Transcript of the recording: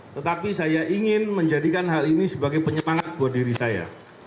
tetapi saya ingin menjadikan hal ini sebagai penyemangat buat diri saya